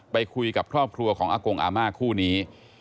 ไปคุยกับครอบครัวของอากงอาม่าคู่นี้